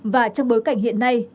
và trong bối cảnh hiện nay